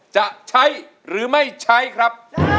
จะใช้หรือไม่ใช้ครับ